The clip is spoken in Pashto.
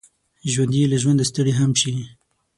ژوندي له ژونده ستړي هم شي